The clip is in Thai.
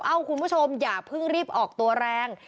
คุณผู้ชมอย่าเพิ่งรีบออกตัวแรง